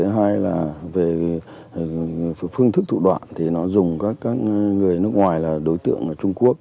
hai là về phương thức thụ đoạn thì nó dùng các người nước ngoài là đối tượng ở trung quốc